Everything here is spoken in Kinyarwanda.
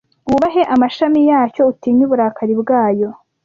wubahe amashami yacyo utinye uburakari bwayo